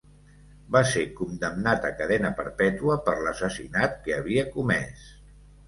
Va ser condemnat a cadena perpètua per l'assassinat que havia comès.